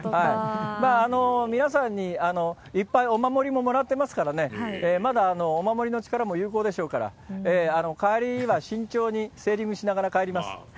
皆さんにいっぱいお守りももらってますからね、まだお守りの力も有効でしょうから、帰りは慎重にセーリングしながら帰ります。